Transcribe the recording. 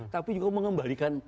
tapi juga mengembalikan